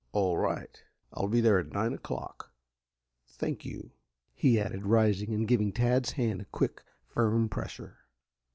"All right. I'll be there at nine o'clock. Thank you," he added, rising and giving Tad's hand a quick, firm pressure.